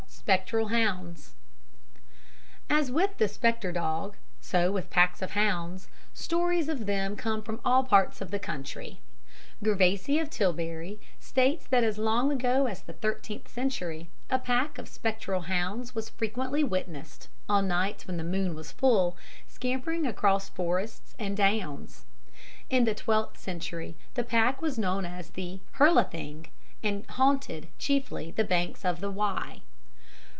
Spectral Hounds As with the spectre dog, so with packs of hounds, stories of them come from all parts of the country. Gervase of Tilbury states that as long ago as the thirteenth century a pack of spectral hounds was frequently witnessed, on nights when the moon was full, scampering across forest and downs. In the twelfth century the pack was known as "the Herlething" and haunted, chiefly, the banks of the Wye.